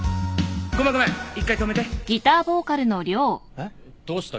えっどうした？